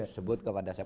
sebut kepada saya